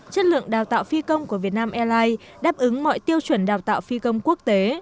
chất lượng đào tạo phi công của việt nam airlines đáp ứng mọi tiêu chuẩn đào tạo phi công quốc tế